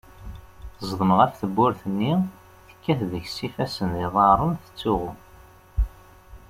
Teẓdem ɣef tewwurt-nni, tekkat deg-s s ifassen d iḍarren, tettsuɣu.